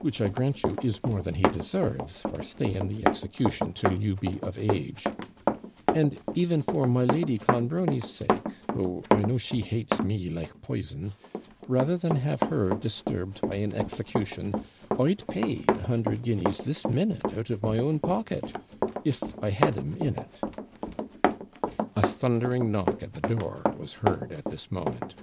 which, I grant you, is more than he deserves, for staying the execution till you be of age; and even for my Lady Clonbrony's sake, though I know she hates me like poison, rather than have her disturbed by an execution, I'd pay the hundred guineas this minute out of my own pocket, if I had' em in it.' A thundering knock at the door was heard at this moment.